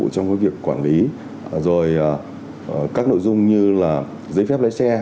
trong việc quản lý các nội dung như giấy phép lấy xe